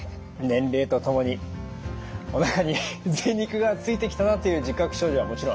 年齢とともにおなかにぜい肉がついてきたなという自覚症状はもちろんあります。